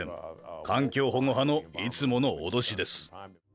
環境保護派のいつもの脅しです。